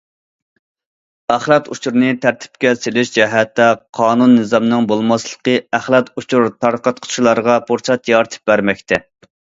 ئەخلەت ئۇچۇرنى تەرتىپكە سېلىش جەھەتتە قانۇن- نىزامنىڭ بولماسلىقى ئەخلەت ئۇچۇر تارقاتقۇچىلارغا پۇرسەت يارىتىپ بەرمەكتە.